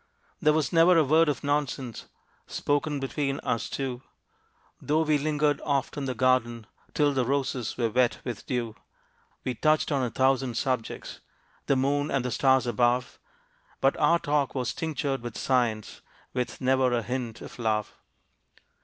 There was never a word of nonsense Spoken between us two, Though we lingered oft in the garden Till the roses were wet with dew. We touched on a thousand subjects The moon and the stars above; But our talk was tinctured with science, With never a hint of love.